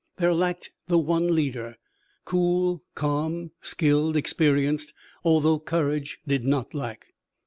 There lacked the one leader, cool, calm, skilled, experienced, although courage did not lack.